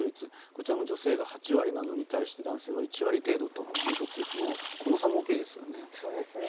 こちらも女性が８割なのに対して男性は１割程度ということでこの差も大きいですね。